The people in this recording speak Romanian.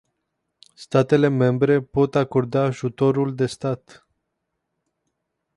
Statele membre pot acorda ajutorul de stat.